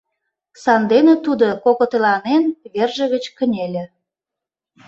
Сандене тудо, кокытеланен, верже гыч кынеле.